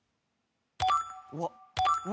うわっ！